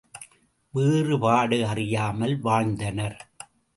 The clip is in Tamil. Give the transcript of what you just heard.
வேறுபாடு அறியாமல் வாழ்ந்தனர்.